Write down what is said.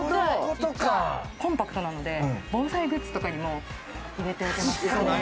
コンパクトなので、防災グッズとかにも入れておけます。